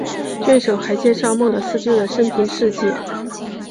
卷首还介绍孟德斯鸠的生平事迹。